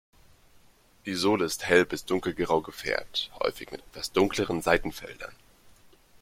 Die Sohle ist hell bis dunkelgrau gefärbt, häufig mit etwas dunkleren Seitenfeldern.